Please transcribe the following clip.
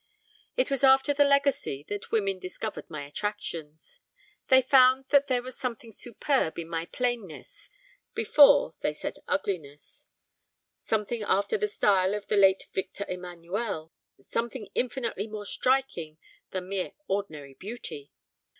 It was after the legacy that women discovered my attractions. They found that there was something superb in my plainness (before, they said ugliness), something after the style of the late Victor Emanuel, something infinitely more striking than mere ordinary beauty.